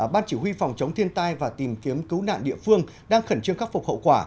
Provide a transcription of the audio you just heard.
ban chỉ huy phòng chống thiên tai và tìm kiếm cứu nạn địa phương đang khẩn trương khắc phục hậu quả